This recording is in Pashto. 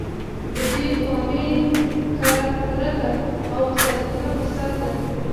د دوی قومي کرکه د وزارتونو پر سر ده.